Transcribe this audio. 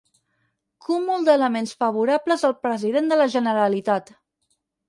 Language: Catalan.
Cúmul d'elements favorables al president de la Generalitat.